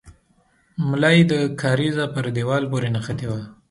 ملا يې د کارېزه پر دېوال پورې نښتې وه.